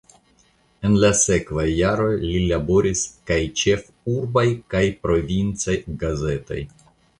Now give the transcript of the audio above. En la sekvaj jaroj li laboris kaj ĉefurbaj kaj provincaj gazetoj.